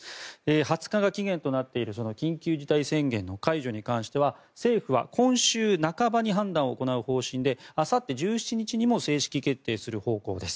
２０日が期限となっている緊急事態宣言の解除に関しては政府は今週半ばに判断を行う方針であさって１７日にも正式決定する方向です。